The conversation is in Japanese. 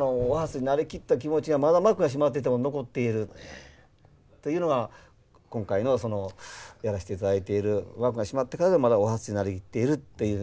お初に成りきった気持ちがまだ幕が閉まってても残っているというのが今回のそのやらせていただいている幕が閉まってからでもまだお初に成りきっているという。